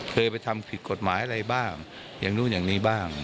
เคยไปทำผิดกฎหมายอะไรบ้างอย่างนู้นอย่างนี้บ้าง